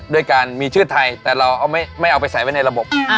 ด้วยการมีชื่อไทยแต่เราไม่เอาไปใส่ไว้ในระบบ